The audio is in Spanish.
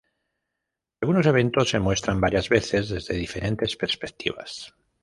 Algunos eventos se muestran varias veces desde diferentes perspectivas.